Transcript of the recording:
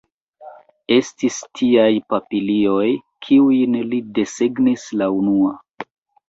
Estis tiaj papilioj, kiujn li desegnis la unua.